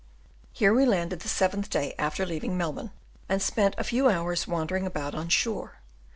Here we landed the seventh day after leaving Melbourne, and spent a few hours wandering about on shore.